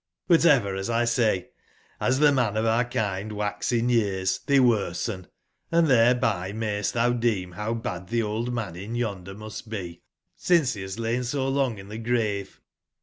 But ever, as I say, as tbe men of our kind wax in years, tbey worsen ; and tbereby mayst tbou deem bow bad tbc old man in yonder must be, since be batb lain so long in tbe grave.